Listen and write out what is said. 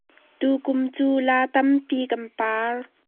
Tukum cu la tampi kan par.